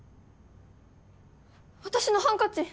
私のハンカチ！